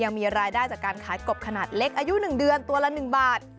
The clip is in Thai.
ยังมีรายได้จากการขายกบขนาดเล็กอายุ๑เดือนตัวละ๑บาท